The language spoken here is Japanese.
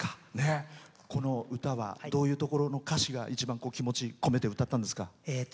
この歌はどういうところの歌詞が一番心を込めて歌ったんですか？